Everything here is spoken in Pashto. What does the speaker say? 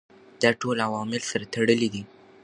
دا ټول عوامل سره تړلي دي.